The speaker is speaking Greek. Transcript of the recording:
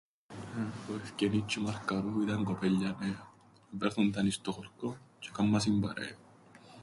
Ο Ευκενής τζ̆' η Μαρκαρού ήταν κοπέλια νέα, εβρέθουνταν εις το χωρκόν τζ̆' εκάμνασιν παρέαν.